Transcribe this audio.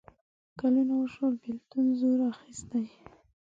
کلونه وشول بېلتون زور اخیستی.